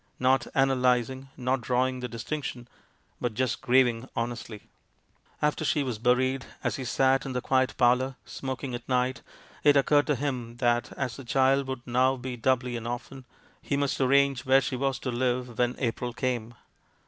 Xot analysing, not drawing the distinction, but just grieving honestly. After she was buried, as he sat in the quiet parlour, smoking at night, it occurred to him that as the child would now be doubly an orphan, he must arrange where she was to live when April came.